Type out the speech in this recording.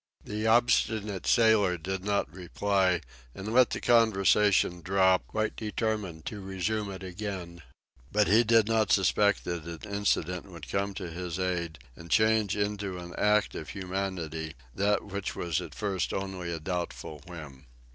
The obstinate sailor did not reply, and let the conversation drop, quite determined to resume it again. But he did not suspect that an incident would come to his aid and change into an act of humanity that which was at first only a doubtful whim.